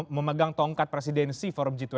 memegang tongkat presidensi forum g dua puluh